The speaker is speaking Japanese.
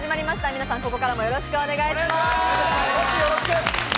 皆さん、ここからもよろしくお願いします。